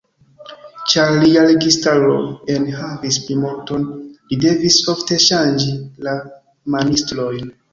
Ĉar lia registaro en havis plimulton, li devis ofte ŝanĝi la ministrojn.